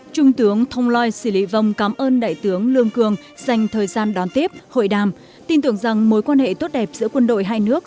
trung tướng thông loi sĩ lị vông cảm ơn đại tướng lương cường dành thời gian đón tiếp hội đàm tin tưởng rằng mối quan hệ tốt đẹp giữa quân đội hai nước